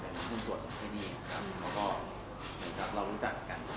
แล้วก็เหมือนกับเรารู้จักกันกันเลยเขาชวนเรามาดู